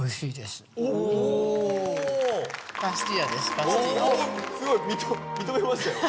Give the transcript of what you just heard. すごい認めましたよ